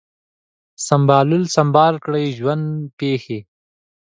سمبالول ، سمبال کړی ، ژوند پیښې